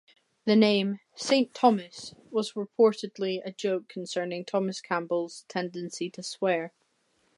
The name "Saint Thomas" was reportedly a joke concerning Thomas Campbell's tendency to swear.